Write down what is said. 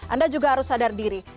anda juga harus sadar diri